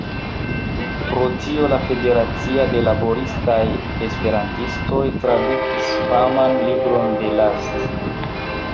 Pro tio la Federacio de Laboristaj Esperantistoj tradukis faman libron de Last.